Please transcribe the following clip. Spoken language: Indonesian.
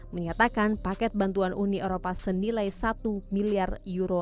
menyatakan paket bantuan uni eropa senilai satu miliar euro